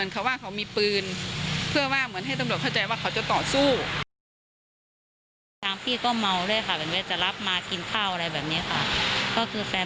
ก็คือเหมือนเขาว่าเขามีปืน